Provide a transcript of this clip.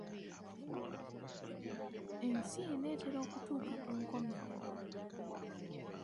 Ensi enaatera okutuuka ku nkomerero.